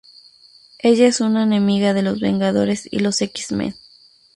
Ella es una enemiga de los Vengadores y los X-Men.